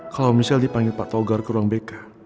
kalau misalnya dipanggil pak togar ke ruang bk